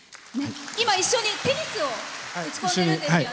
今、一緒にテニスを打ち込んでるんですよね。